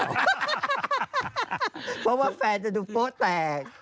เพราะว่าแฟนจะดูโป๊ะแตก